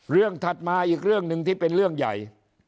ถัดมาอีกเรื่องหนึ่งที่เป็นเรื่องใหญ่